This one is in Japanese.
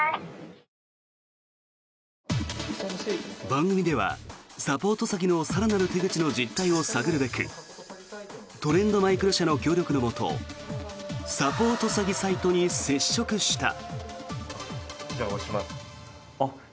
番組ではサポート詐欺の更なる手口の実態を探るべくトレンドマイクロ社の協力のもとサポート詐欺サイトに接触した。